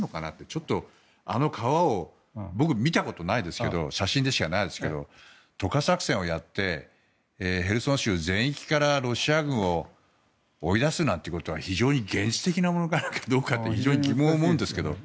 ちょっとあの川を僕、見たことないですけど写真でしかないですけど渡河作戦をやってヘルソン州全域からロシア軍を追い出すなんてことは非常に現実的なものかどうかって疑問に思うんですけど。